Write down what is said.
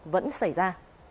vẫn xảy ra